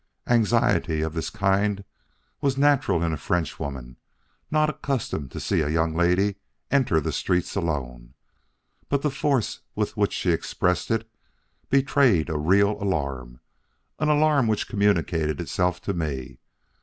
Anxiety of this kind was natural in a Frenchwoman not accustomed to see a young lady enter the streets alone; but the force with which she expressed it betrayed a real alarm an alarm which communicated itself to me.